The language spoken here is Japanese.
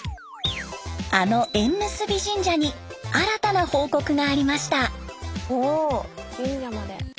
あの縁結び神社に新たな報告がありました。